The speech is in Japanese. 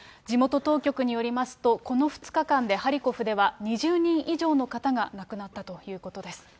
地元当局によりますと、この２日間でハリコフでは２０人以上の方が亡くなったということです。